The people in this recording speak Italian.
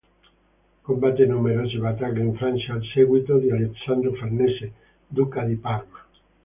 Combatté numerose battaglie in Francia al seguito di Alessandro Farnese, duca di Parma.